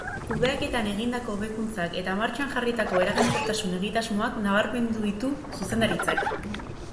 Kudeaketan egindako hobekuntzak eta martxan jarritako eraginkortasun egitasmoak nabarmendu ditu zuzendaritzak.